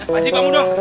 pak haji bangun dong